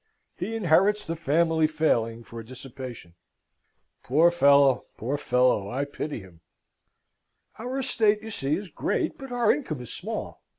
He inherits the family failing for dissipation." "Poor fellow, poor fellow, I pity him!" "Our estate, you see, is great, but our income is small.